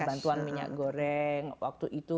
bantuan minyak goreng waktu itu